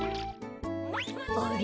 あれ？